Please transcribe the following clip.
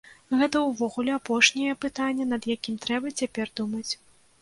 Гэта ўвогуле апошняе пытанне, над якім трэба цяпер думаць.